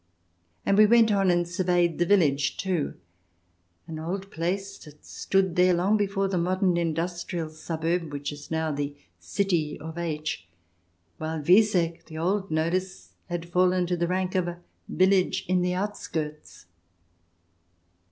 And we went on and surveyed the village, too, an old place that stood there long before the modern industrial suburb, which is now the city of H , while Wieseck, the old nodus, has fallen to the rank of a village in the outskirts.